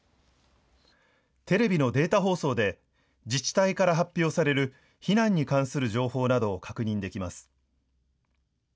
テレビのデータ放送で自治体から発表される避難に関する情報などを確認できます。